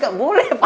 gak boleh pak